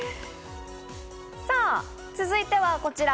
さぁ、続いてはこちら。